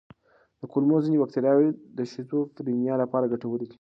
د کولمو ځینې بکتریاوې د شیزوفرینیا لپاره ګټورې دي.